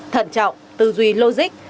thận trọng tư duy logic